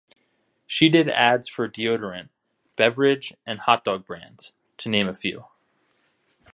She did ads for a deodorant, beverage and hotdogs brands, to name a few.